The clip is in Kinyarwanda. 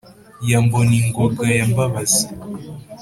ya mboningoga ya mbabazi